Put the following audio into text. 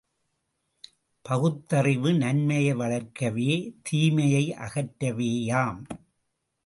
பகுத்தறிவு நன்மையை வளர்க்கவே தீமையை அகற்றவேயாம்.